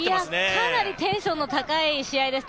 かなりテンションの高い試合ですね。